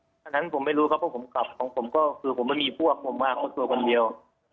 เพราะฉะนั้นผมไม่รู้ครับเพราะผมกลับของผมก็คือผมไม่มีพวกผมมาเขาตัวคนเดียว